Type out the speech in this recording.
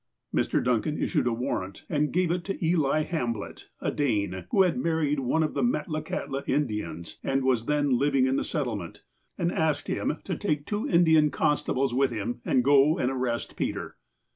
Mr. Duncan issued a warrant, and gave it to Eli Hamblett, a Dane, who had married one of the Metlakahtla Indians and was then living in the settle ment, and asked him to take two Indian constables with him, and go and arrest Peter.